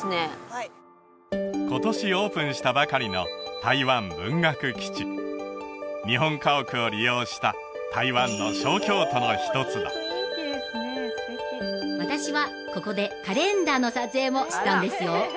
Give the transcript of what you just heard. はい今年オープンしたばかりの台湾文学基地日本家屋を利用した台湾の小京都の一つだ私はここでカレンダーの撮影もしたんですよ！